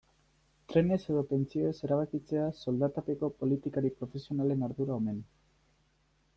Trenez edo pentsioez erabakitzea soldatapeko politikari profesionalen ardura omen.